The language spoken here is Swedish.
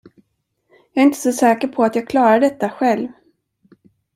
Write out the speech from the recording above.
Jag är inte så säker på att jag klarar detta, själv.